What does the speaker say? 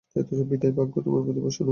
বিদায়, ভাগ্য তোমার প্রতি প্রসন্ন হোক।